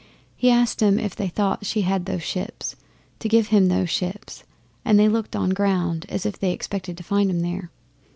He asked 'em, if they thought she had those ships, to give him those ships, and they looked on the ground, as if they expected to find 'em there.